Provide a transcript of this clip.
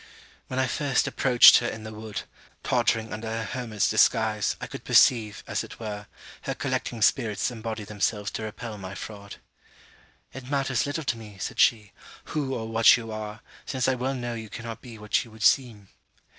When I first approached her in the wood, tottering under a hermit's disguise, I could perceive, as it were, her collecting spirits embody themselves to repel my fraud. 'It matters little to me,' said she, 'who or what you are, since I well know you cannot be what you would seem.'